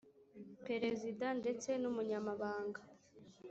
perezida ndeste n umunyamabanga